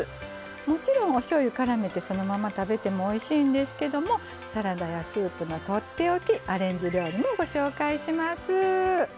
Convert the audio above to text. もちろんおしょうゆからめてそのまま食べてもおいしいんですけどもサラダやスープのとっておきアレンジ料理もご紹介します。